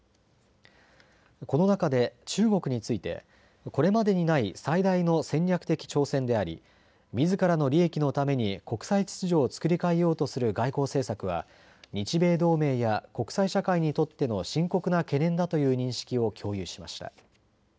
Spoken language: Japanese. この中で中国についてこれまでにない最大の戦略的挑戦でありみずからの利益のために国際秩序を作り替えようとする外交政策は日米同盟や国際社会にとっての深刻な懸念だという認識を共有しました。